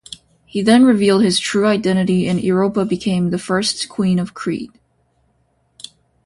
He then revealed his true identity and Europa became the first queen of Crete.